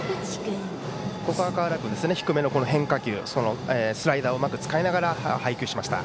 ここは川原君低めの変化球スライダーをうまく使いながら配球しました。